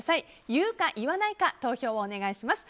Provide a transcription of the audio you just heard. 言うか言わないか投票をお願いします。